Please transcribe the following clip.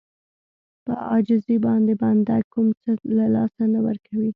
په عاجزي باندې بنده کوم څه له لاسه نه ورکوي.